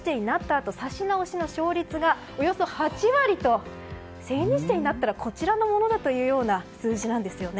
あと指し直しの勝率がおよそ８割と、千日手になったらこちらのものだというような数字なんですよね。